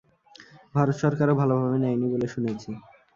ভারত সরকারও ভালভাবে নেয়নি বলে শুনেছি।